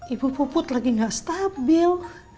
ibu puput lagi nggak stabil